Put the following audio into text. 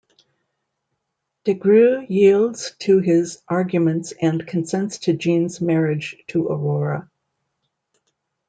Des Grieux yields to his arguments and consents to Jean's marriage to Aurore.